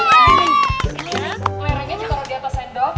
lerengnya kita taruh di atas sendok